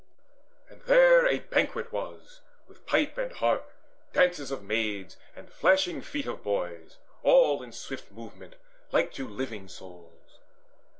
And there a banquet was, with pipe and harp, Dances of maids, and flashing feet of boys, All in swift movement, like to living souls.